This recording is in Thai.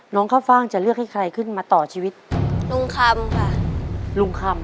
ข้าวฟ่างจะเลือกให้ใครขึ้นมาต่อชีวิตลุงคำค่ะลุงคำ